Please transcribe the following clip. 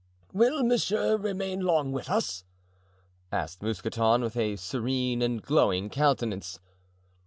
"Will monsieur remain long with us?" asked Mousqueton, with a serene and glowing countenance.